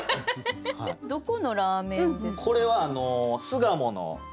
どこのラーメンですか？